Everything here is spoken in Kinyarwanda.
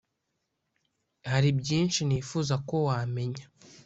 hari byinshi nifuza ko wamenya